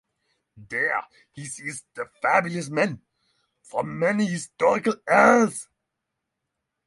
There he sees the famous men from many historical eras.